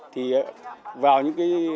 thì vào những cái